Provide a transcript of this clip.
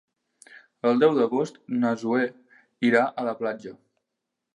El deu d'agost na Zoè irà a la platja.